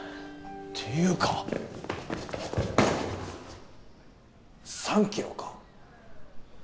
ていうか３キロか？